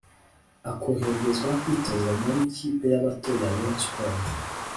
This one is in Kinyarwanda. akoherezwa kwitozanya n’ikipe y’abato ya rayon sports